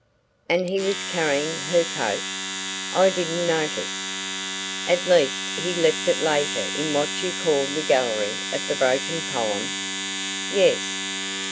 "And he was carrying her coat?" "I didn't notice." "At least he left it later in what you call the gallery of the broken column?" "Yes."